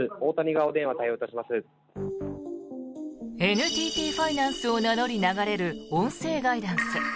ＮＴＴファイナンスを名乗り、流れる音声ガイダンス。